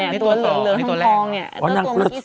เปลี่ยนแบบนี้